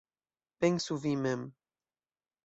Pensu vi mem!